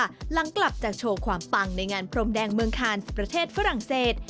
หลังกลับจากโชว์ความปังในงานพรมแดงเมืองคานประเทศฝรั่งเศส